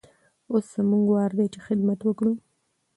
اوس زموږ وار دی چې خدمت وکړو.